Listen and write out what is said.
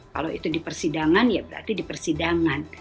kalau itu di persidangan ya berarti di persidangan